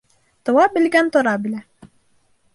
Тыуа белгән тора белә.